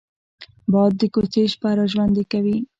باد د کوڅې شپه را ژوندي کوي